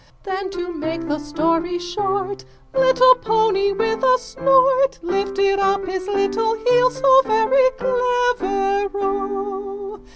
6 Then to make the story short, Little pony with a snort Lifted up his little heels so very clever O!